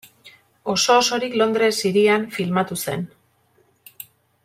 Oso-osorik Londres hirian filmatu zen.